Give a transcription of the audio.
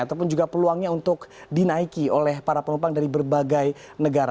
ataupun juga peluangnya untuk dinaiki oleh para penumpang dari berbagai negara